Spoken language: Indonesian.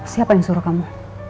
siapa yang suruh kamu